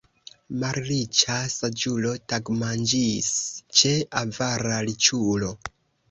Malriĉa saĝulo tagmanĝis ĉe avara riĉulo.